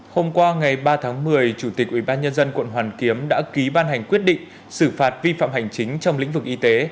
hôm qua ngày ba tháng một mươi chủ tịch ủy ban nhân dân quận hoàn kiếm đã ký ban hành quyết định xử phạt vi phạm hành chính trong lĩnh vực y tế